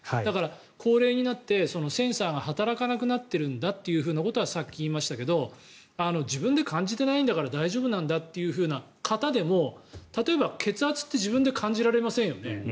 だから、高齢になってセンサーが働かなくなってるんだということはさっき言いましたが自分で感じてないんだから大丈夫だという方でも例えば血圧って自分で感じられませんよね。